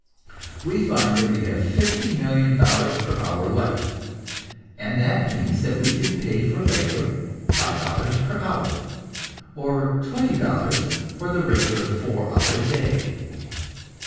We find that we have fifty million dollars per hour left, and that means that we can pay for labor five dollars per hour, or twenty dollars for the regular four hour day.